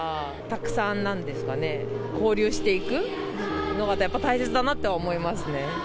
たくさん、なんですかね、交流していくのが、やっぱり大切だなと思いますね。